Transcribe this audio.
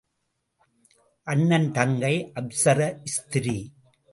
அண்ணன் தங்கை அப்ஸர ஸ்திரீ.